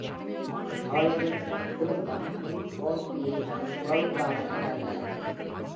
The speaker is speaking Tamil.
அவளது குடும்பம் Bing Crosby-ன் உறவுக்காரர்கள் அல்ல.